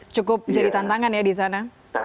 cukup jadi tantangan ya di sana